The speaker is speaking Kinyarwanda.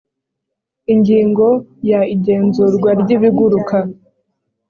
ingingo ya igenzurwa ry ibiguruka